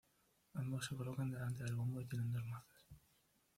Ambos se colocan delante del bombo y tienen dos mazas.